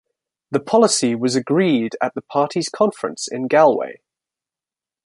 The policy was agreed at the party's conference in Galway.